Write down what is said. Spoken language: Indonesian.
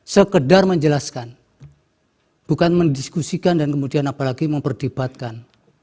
sekedar menjelaskan bukan mendiskusikan dan kemudian apalagi memperdebatkan